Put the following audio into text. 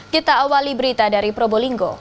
kita awali berita dari probolinggo